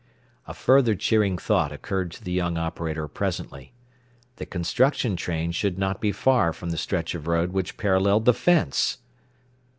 A further cheering thought occurred to the young operator presently. The construction train should not be far from the stretch of road which paralleled the fence!